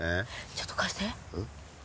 ちょっと貸して。